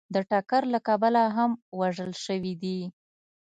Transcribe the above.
د ټکر له کبله هم وژل شوي دي